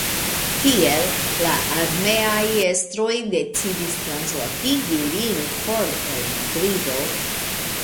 Tiel, la armeaj estroj decidis translokigi lin for el Madrido.